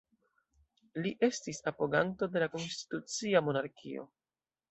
Li estis apoganto de la konstitucia monarkio.